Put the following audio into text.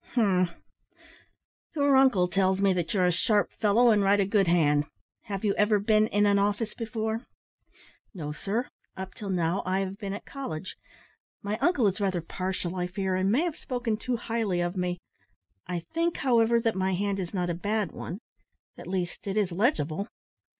"Umph! Your uncle tells me that you're a sharp fellow, and write a good hand. Have you ever been in an office before?" "No, sir. Up till now I have been at college. My uncle is rather partial, I fear, and may have spoken too highly of me. I think, however, that my hand is not a bad one. At least it is legible."